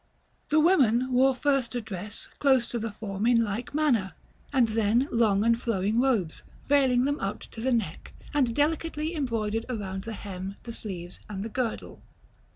The women wore first a dress close to the form in like manner, and then long and flowing robes, veiling them up to the neck, and delicately embroidered around the hem, the sleeves, and the girdle.